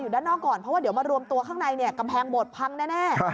เพราะว่าเดี๋ยวมารวมตัวข้างในเนี่ยกำแพงโหมดพังแน่